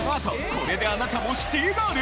これであなたもシティガール！？